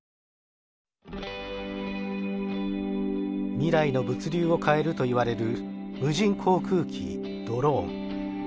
未来の物流を変えるといわれる無人航空機ドローン。